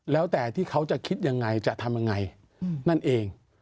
แล้วแต่ที่เขาจะคิดยังไงจะทำยังไงนั่นเอง